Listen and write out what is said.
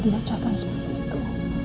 dilecahkan seperti itu